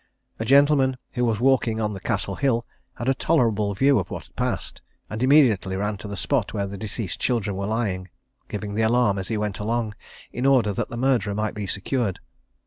A gentleman who was walking on the Castle Hill had a tolerable view of what passed, and immediately ran to the spot where the deceased children were lying; giving the alarm as he went along, in order that the murderer might be secured.